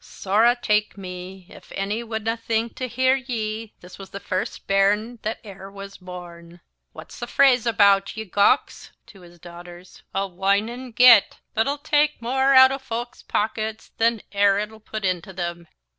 "Sorra tak me if ane wadnae think, to hear ye, this was the first bairn that e'er was born! 'What'sa' the fraize aboot, ye gowks?" (to his daughters) "a whingin get! that'll tak mail' oot o' fowk's pockets than e'er it'll pit into them!